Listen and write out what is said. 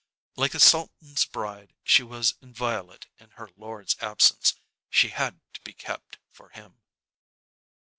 Like a sultan's bride, she was inviolate in her lord's absence; she had to be kept for him.